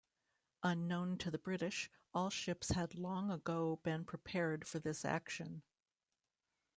Unknown to the British, all ships had long ago been prepared for this action.